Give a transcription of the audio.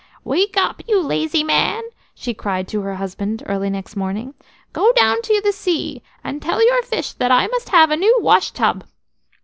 "Wake up, you lazy man!" she cried to her husband, early next morning. "Go down to the sea and tell your fish that I must have a new wash tub."